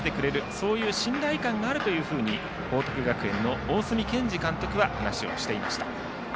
そういう信頼感があると報徳学園の大角健二監督は話をしていました。